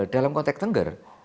dalam konteks tengger